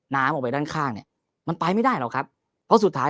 น้ำออกไปด้านข้างเนี่ยมันไปไม่ได้หรอกครับเพราะสุดท้าย